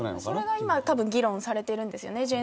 それがたぶん今議論されてるんですよね。